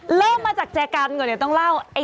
เริ่มมาจากแจกันก่อนเดี๋ยวต้องเล่า